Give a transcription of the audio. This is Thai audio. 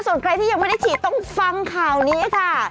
ส่วนใครที่ยังไม่ได้ฉีดต้องฟังข่าวนี้ค่ะ